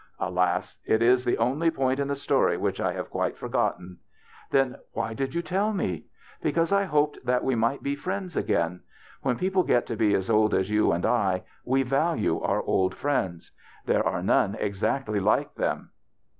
Alas ! It is the only point in the story which I have quite forgotten." " Then why did you tell me ?"" Because I hoped that we might be friends again. When people get to be as old as you and I we value our old friends. There are none exactly like them."